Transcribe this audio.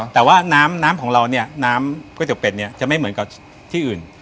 แต่ว่าน้ำน้ำของเราเนี่ยน้ำก๋วยเตี๋เป็ดเนี่ยจะไม่เหมือนกับที่อื่น